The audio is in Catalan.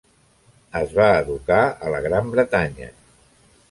Es va educar a la Gran Bretanya.